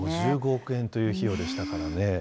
５５億円という費用でしたからね。